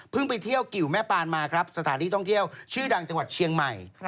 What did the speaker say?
ไปเที่ยวกิวแม่ปานมาครับสถานที่ท่องเที่ยวชื่อดังจังหวัดเชียงใหม่